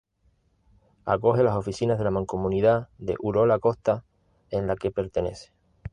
Acoge las oficinas de la mancomunidad de Urola Kosta, en la que pertenece.